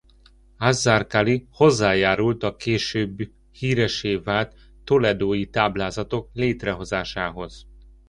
Az-Zarkáli hozzájárult a később híressé vált Toledói táblázatok létrehozásához.